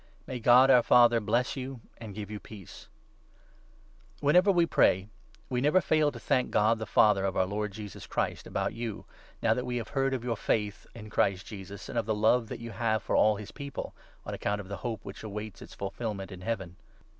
May God, our Father, bless you and give you peace. The Apostle's Whenever we pray, we never fail to thank God, 3 Thankfulness the Father of our Lord, Jesus Christ, about you, and Prayer. now thaj we nave heard of your faith in Christ 4 Jesus and of the love that you have tor all his People, on 5 account of the hope which awaits its fulfilment in Heaven.